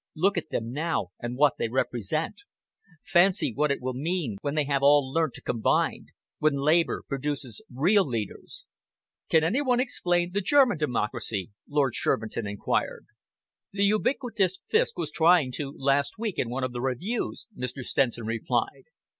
Look at them now, and what they represent! Fancy what it will mean when they have all learnt to combine! when Labour produces real leaders!" "Can any one explain the German democracy?" Lord Shervinton enquired. "The ubiquitous Fiske was trying to last week in one of the Reviews," Mr. Stenson replied.